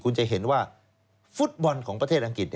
คุณจะเห็นว่าฟุตบอลของประเทศอังกฤษ